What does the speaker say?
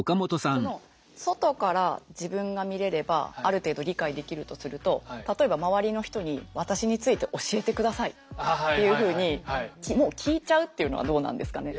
その外から自分が見れればある程度理解できるとすると例えば周りの人に私について教えてくださいっていうふうにもう聞いちゃうっていうのはどうなんですかね？